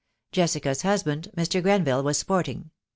Jessica's husband, Mr. Grenville, was sporting.